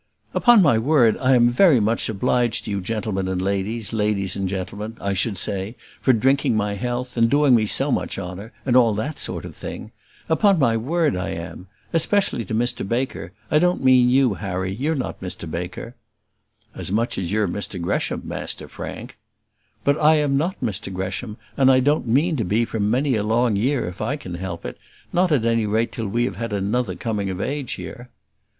"Upon my word, I am very much obliged to you, gentlemen and ladies, ladies and gentlemen, I should say, for drinking my health, and doing me so much honour, and all that sort of thing. Upon my word I am. Especially to Mr Baker. I don't mean you, Harry, you're not Mr Baker." "As much as you're Mr Gresham, Master Frank." "But I am not Mr Gresham; and I don't mean to be for many a long year if I can help it; not at any rate till we have had another coming of age here."